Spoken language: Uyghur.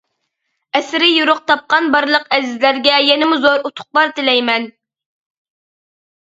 ئەسىرى يورۇق تاپقان بارلىق ئەزىزلەرگە يەنىمۇ زور ئۇتۇقلار تىلەيمەن!